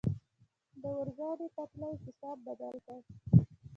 د اورګاډي پټلۍ اقتصاد بدل کړ.